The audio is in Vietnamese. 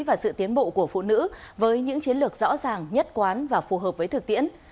và sự tiến bộ của phụ nữ với những chiến lược rõ ràng nhất quán và phù hợp với thực tiễn